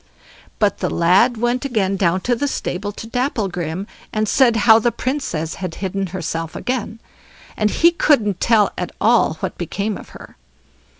But the lad went again down to the stable to Dapplegrim, and said how the Princess had hidden herself again, and he couldn't tell at all what had become of her.